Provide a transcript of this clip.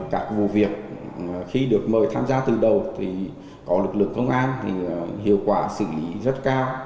các vụ việc khi được mời tham gia từ đầu thì có lực lượng công an thì hiệu quả xử lý rất cao